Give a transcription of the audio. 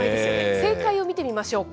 正解を見てみましょうか。